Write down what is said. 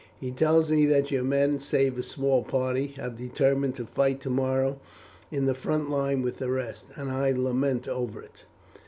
He tells me that your men, save a small party, have determined to fight tomorrow in the front line with the rest, and I lament over it."